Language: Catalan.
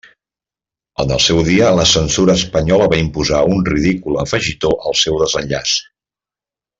En el seu dia, la censura espanyola va imposar un ridícul afegitó al seu desenllaç.